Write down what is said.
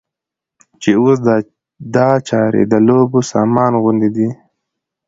چې اوس دا چارې د لوبو سامان غوندې دي.